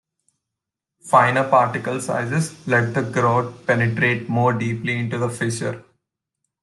Finer particle sizes let the grout penetrate more deeply into a fissure.